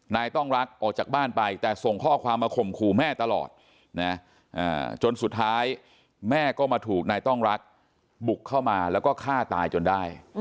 นายต้องรักออกจากบ้านไปแต่ส่งข้อความมาข่มขู่แม่ตลอดนะจนสุดท้ายแม่ก็มาถูกนายต้องรักบุกเข้ามาแล้วก็ฆ่าตายจนได้